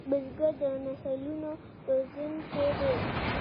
بزګر د نسلونو روزونکی دی